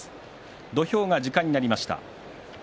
土俵が時間になりました。